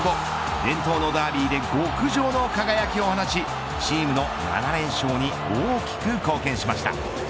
伝統のダービーで極上の輝きを放ちチームの７連勝に大きく貢献しました。